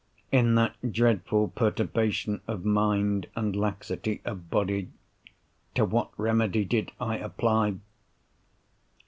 In that dreadful perturbation of mind and laxity of body, to what remedy did I apply?